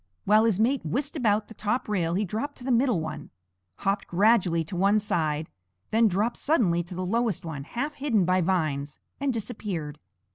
While his mate whisked about the top rail he dropped to the middle one, hopped gradually to one side, then dropped suddenly to the lowest one, half hidden by vines, and disappeared.